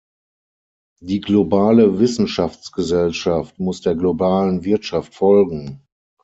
Die globale Wissenschaftsgesellschaft muss der globalen Wirtschaft folgen.